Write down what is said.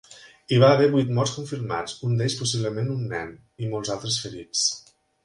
Hi va haver vuit morts confirmats, un d'ells possiblement un nen, i molts altres ferits.